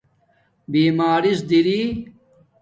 بیمارس دری